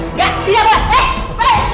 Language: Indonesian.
enggak tidak boleh